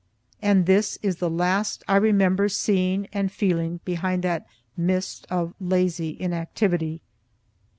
And this is the last I remember seeing and feeling behind that mist of lazy inactivity.